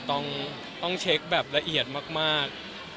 ต้องเช็คแบบละเอียดมาก